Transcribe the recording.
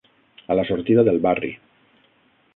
A la sortida del barri.